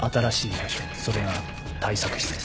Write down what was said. それが対策室です。